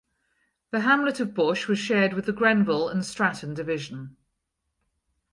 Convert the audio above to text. The hamlet of Bush was shared with the Grenville and Stratton division.